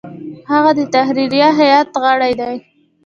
هغه د تحریریه هیئت غړی دی.